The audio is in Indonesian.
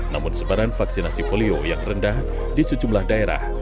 namun sebaran vaksinasi polio yang rendah di sejumlah daerah